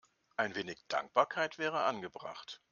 Ein wenig Dankbarkeit wäre angebracht.